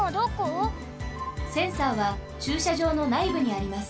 センサーはちゅうしゃじょうのないぶにあります。